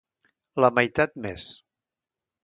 La meitat més.